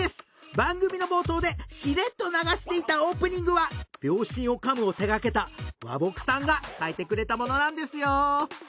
番組の冒頭でしれっと流していたオープニングは秒針を噛むを手がけたＷａｂｏｋｕさんが描いてくれたものなんですよ